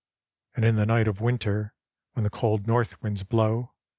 And in the night of winter. When the cold north winds blow.